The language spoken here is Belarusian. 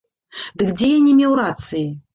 Дык дзе я не меў рацыі?